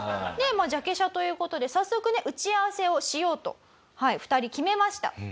でまあジャケ写という事で早速ね打ち合わせをしようと２人決めました。